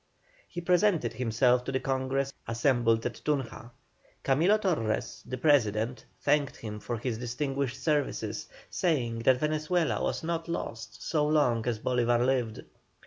He presented himself to the Congress assembled at Tunja. Camilo Torres, the President, thanked him for his distinguished services, saying that Venezuela was not lost so long as Bolívar lived.